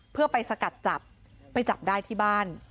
เพื่อไปสกัดจับไปจับได้ที่บ้าน